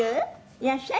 いらっしゃい。